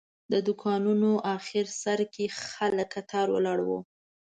د دوکانونو آخر سر کې خلک کتار ولاړ وو.